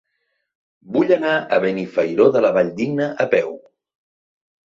Vull anar a Benifairó de la Valldigna a peu.